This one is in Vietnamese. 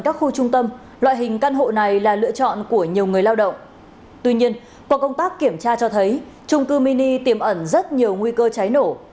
tuy nhiên qua công tác kiểm tra cho thấy trung cư mini tiềm ẩn rất nhiều nguy cơ cháy nổ